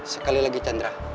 sekali lagi chandra